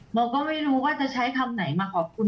โบก็ไม่รู้ว่าจะใช้คำไหนมาขอบคุณ